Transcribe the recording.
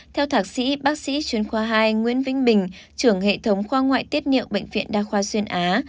theo thạc sĩ bác sĩ chuyên khoa hai nguyễn vĩnh bình trưởng hệ thống khoa ngoại tiết niệu bệnh viện đa khoa xuyên á